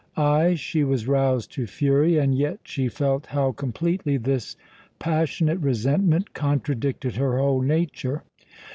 Ay, she was roused to fury, and yet she felt how completely this passionate resentment contradicted her whole nature.